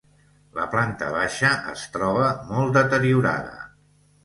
La planta baixa es troba molt deteriorada.